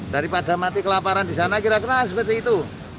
daripada mati kelaparan di sana kira kira seperti itu